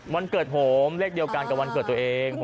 วันเกิดผมเลขเดียวกันกับวันเกิดตัวเอง